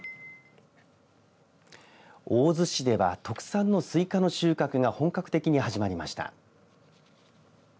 大洲市では特産のスイカの収穫が本格的に始まりました。